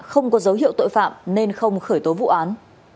không có dấu hiệu tội phạm nên không khởi tố vụ án